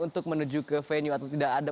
untuk menuju ke venue atau tidak ada